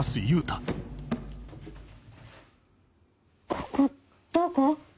ここどこ？